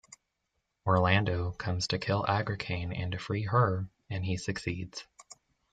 Orlando comes to kill Agricane and to free her, and he succeeds.